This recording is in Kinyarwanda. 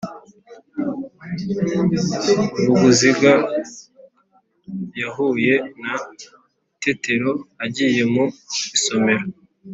vuguziga yahuye na tetero agiye mu isomero